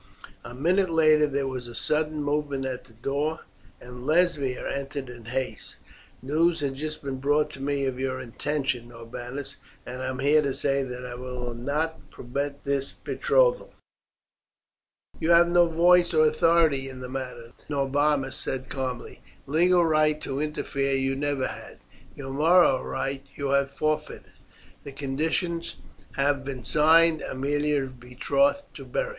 A minute later there was a sudden movement at the door, and Lesbia entered in haste. "News has just been brought to me of your intention, Norbanus, and I am here to say that I will not permit this betrothal." "You have no voice or authority in the matter," Norbanus said calmly. "Legal right to interfere you never had. Your moral right you have forfeited. The conditions have been signed. Aemilia is betrothed to Beric."